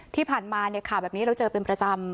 ที่ผ่านมาข่าวแบบนี้เราเจอเป็นประจำ